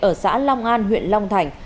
ở xã long an huyện long thành